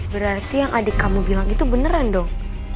berarti yang adik kamu bilang itu beneran dong